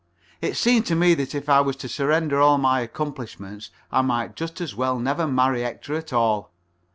It seemed to me that if I was to surrender all my accomplishments I might just as well never marry Hector at all.